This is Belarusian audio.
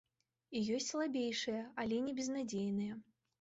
І ёсць слабейшыя, але не безнадзейныя.